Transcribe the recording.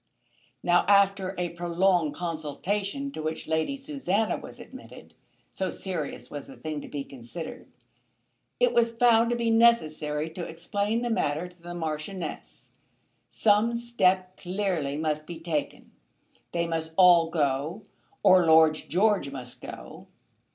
Now, after a prolonged consultation to which Lady Susanna was admitted, so serious was the thing to be considered, it was found to be necessary to explain the matter to the Marchioness. Some step clearly must be taken. They must all go, or Lord George must go.